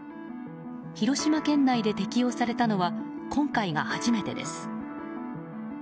広島県内で適用されたのは今回が初めてです。